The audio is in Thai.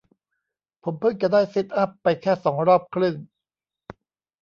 ผมเพิ่งจะได้ซิทอัพไปแค่สองรอบครึ่ง